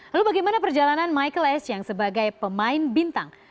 lalu bagaimana perjalanan michael esiang sebagai pemain bintang